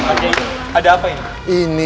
pak kiai ada apa ini